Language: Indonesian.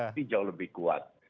itu jauh lebih kuat